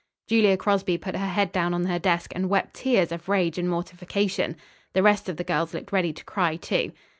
Julia Crosby put her head down on her desk and wept tears of rage and mortification. The rest of the girls looked ready to cry, too.